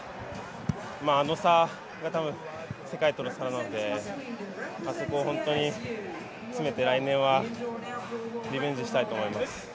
あの差が多分、世界との差なのであそこを本当に詰めて来年はリベンジしたいと思います。